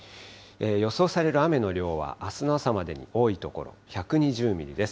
予想される雨の量は、あすの朝までに多い所、１２０ミリです。